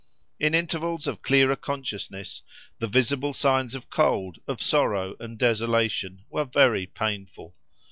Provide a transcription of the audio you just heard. In intervals of clearer consciousness the visible signs of cold, of sorrow and desolation, were very painful.